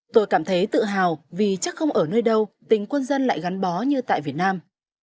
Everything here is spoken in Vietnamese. tôi cảm thấy tự hào vì chắc không ở nơi đâu tình quân dân lại gắn bó như tại việt nam